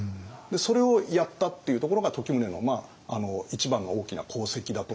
それをやったっていうところが時宗の一番の大きな功績だと思いますね。